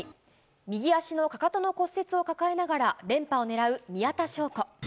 右足のかかとの骨折を抱えながら連覇を狙う宮田笙子。